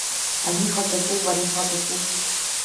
Ани ҟаҵатәуп, ари ҟаҵатәуп!